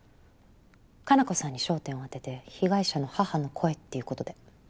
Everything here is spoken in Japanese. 可南子さんに焦点を当てて被害者の母の声っていうことで。